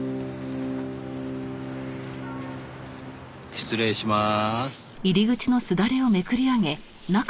失礼しまーす。